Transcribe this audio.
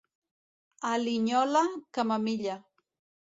A Linyola, camamilla.